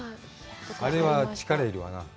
あれは力が要るわな。